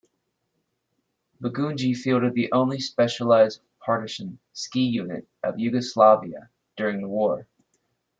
Begunje fielded the only specialized Partisan ski-unit of Yugoslavia during the war.